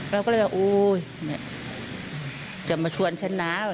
เราก็เลยว่าโอ๊ยจะมาชวนฉันนะ